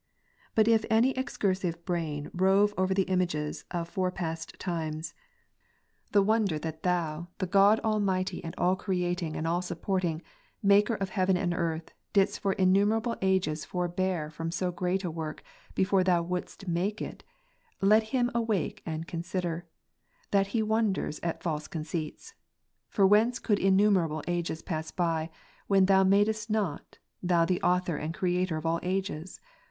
But if any excursive brain rove over the images of forepassed times, and wonder that Thou the God 234 Time itself a Creature, therefore not before Creation. CONF. Almightj^ and All creating and All supporting, Maker of ^'^*' heaven and earth, didst for innumerahle ages forbear from so great a work, before Thou wouldest make it ; let him awake and consider, that he wonders at false conceits. For whence could innumerable ages pass by, which Thou madest not, Thou the Author and Creator of all ages